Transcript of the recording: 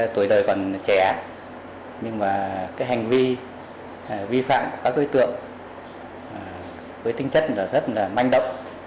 tuổi đời còn trẻ nhưng mà cái hành vi vi phạm các đối tượng với tính chất rất là manh động